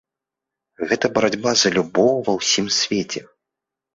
Гэта барацьба за любоў ва ўсім свеце.